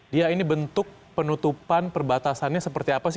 dia ini bentuk penutupan perbatasannya seperti apa sih